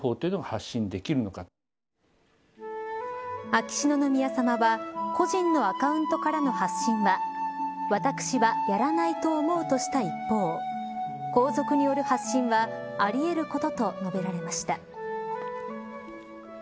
秋篠宮さまは個人のアカウントからの発信は私はやらないと思うとした一方皇族による発信はあり得ることと述べられました。